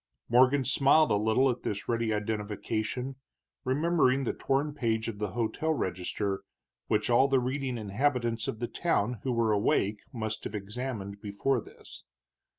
Morgan smiled a little at this ready identification, remembering the torn page of the hotel register, which all the reading inhabitants of the town who were awake must have examined before this.